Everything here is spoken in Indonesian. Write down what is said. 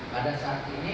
pada saat ini